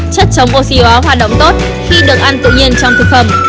chất chống oxy hóa hoạt động tốt khi được ăn tự nhiên trong thực phẩm